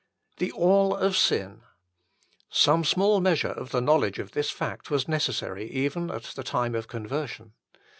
The All of sin : some small measure of the knowledge of this fact was necessary even at the time of conversion.